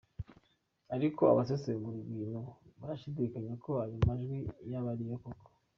Ariko abasesengura ibintu barashidikanya ko ayo majwi yaba ari yo koko.